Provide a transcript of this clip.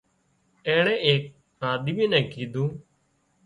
اينڻي ايڪ آۮمِي نين ڪيڌون